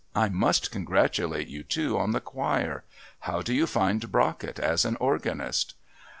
I must congratulate you, too, on the choir. How do you find Brockett as an organist?"